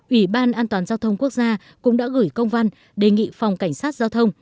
ủy ban an toàn giao thông quốc gia cũng đã gửi công văn đề nghị phòng cảnh sát giao thông